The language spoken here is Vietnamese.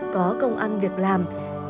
có công ăn việc làm